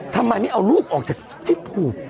ทำไมไม่เอารูปออกจากชิ้นผูก